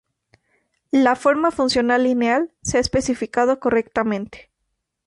La forma funcional lineal se ha especificado correctamente.